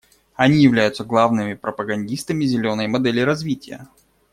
Они являются главными пропагандистами «зеленой» модели развития.